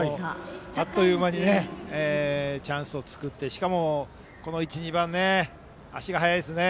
あっという間にチャンスを作ってしかも１、２番は足が速いですね。